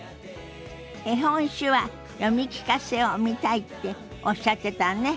「絵本手話読み聞かせ」を見たいっておっしゃってたわね。